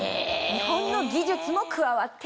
日本の技術も加わっております。